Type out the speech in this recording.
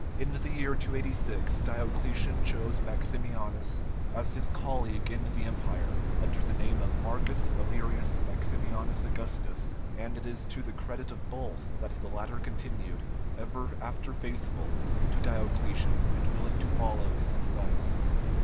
In the year 286, Diocletian chose Maximianus as his colleague in the Empire, under the name of Marcus Valerius Maximianus Augustus, and it is to the credit of both that the latter continued ever after faithful to Diocletian and willing to follow his advice.